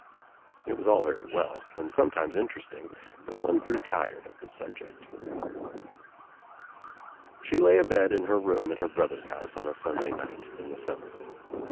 It was all very well and sometimes interesting but one grew tired of the subject. She lay abed in her room at her brother's house on a Sunday night in the summer.